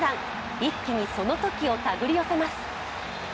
一気にその時をたぐり寄せます。